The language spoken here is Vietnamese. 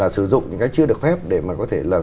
sử dụng những cái chưa được phép để mà có thể là